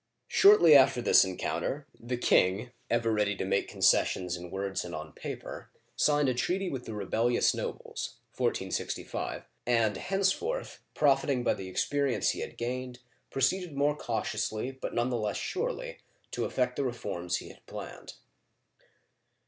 Shortly after this encounter, the king, ever ready to make concessions in words and on paper, signed a treaty with the rebellious nobles (1465), and henceforth, profiting by the experience he had gained, proceeded more cau tiously but none the less surely to effect the reforms he had planned.